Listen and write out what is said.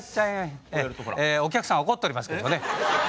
えお客さん怒っとりますけどね。